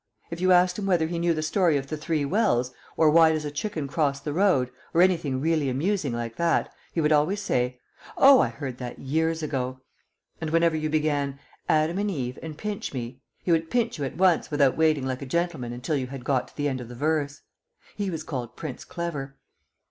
If you asked him whether he knew the story of the three wells, or "Why does a chicken cross the road?" or anything really amusing like that, he would always say, "Oh, I heard that years ago!" and whenever you began "Adam and Eve and Pinchme" he would pinch you at once without waiting like a gentleman until you had got to the end of the verse. He was called Prince Clever.